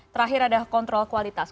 terakhir ada kontrol kualitas